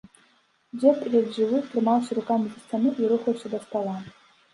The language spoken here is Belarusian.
Дзед, ледзь жывы, трымаўся рукамі за сцяну і рухаўся да стала.